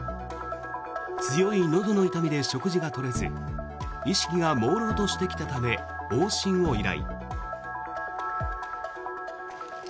強いのどの痛みで食事が取れず意識がもうろうとしてきたため往診を依頼。